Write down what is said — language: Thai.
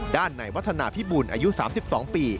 ด้านในวัฒนาพิบูลอายุ๓๒ปี